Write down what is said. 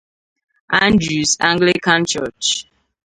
Andrews Anglican Church